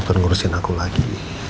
untuk ngurusin aku lagi